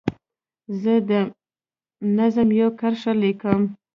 زه د نظم یوه کرښه لیکم.